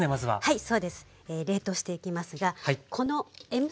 はい。